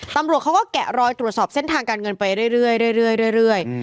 ตำรวจเขาก็แกะรอยตรวจสอบเส้นทางการเงินไปเรื่อย